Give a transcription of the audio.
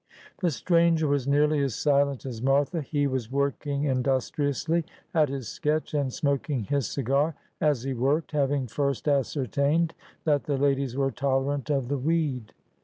The stranger was nearly as silent as Martha. He was work ing industriously at his sketch, and smoking bis cigar as he worked, having first ascertained that the ladies were tolerant of the weed.